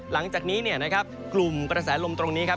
หลังจากนี้เนี่ยนะครับกลุ่มกระแสลมตรงนี้ครับ